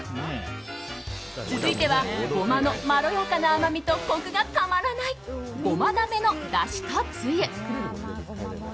続いてはゴマのまろやかな甘みとコクがたまらない胡麻鍋のだしとつゆ。